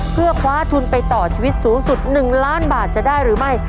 เพื่อคว้าทุนไปต่อชีวิตสูงสุด๑ล้านบาทจะได้หรือไม่